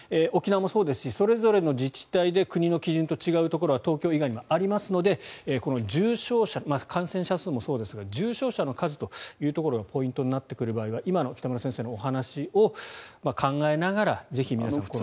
沖縄もそうですしそれぞれの自治体で国の基準と違うところは東京以外にもありますので重症者感染者数もそうですが重症者の数というのがポイントになってくるところが今の北村先生のお話を考えながら、ぜひ皆さん。